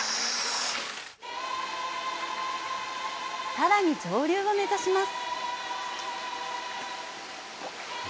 さらに上流を目指します。